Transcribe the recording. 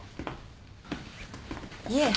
いえ。